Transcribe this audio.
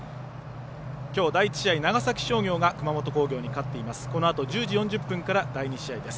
きょう第１試合、長崎商業が熊本工業に勝っています。